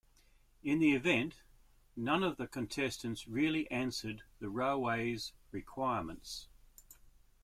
In the event, none of the contestants really answered the railway's requirements.